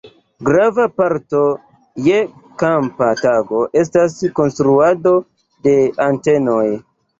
Grava parto je kampa tago estas konstruado de antenoj.